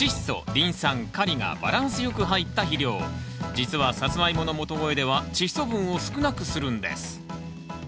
実はサツマイモの元肥ではチッ素分を少なくするんです